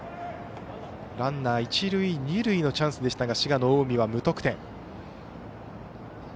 ランナー一塁、二塁のチャンスでしたが滋賀の近江は無得点。